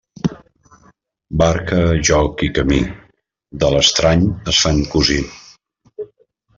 Barca, joc i camí, de l'estrany es fan cosí.